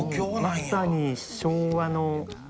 「まさに昭和の」